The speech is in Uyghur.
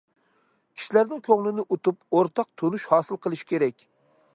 كىشىلەرنىڭ كۆڭلىنى ئۇتۇپ، ئورتاق تونۇش ھاسىل قىلىش كېرەك.